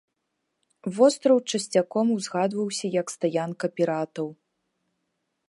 Востраў часцяком узгадваўся як стаянка піратаў.